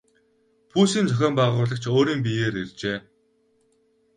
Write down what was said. Пүүсийн зохион байгуулагч өөрийн биеэр иржээ.